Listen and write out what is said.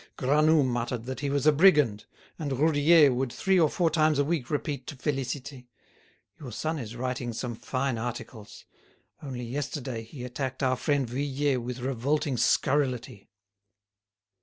Granoux muttered that he was a brigand, and Roudier would three or four times a week repeat to Félicité: "Your son is writing some fine articles. Only yesterday he attacked our friend Vuillet with revolting scurrility."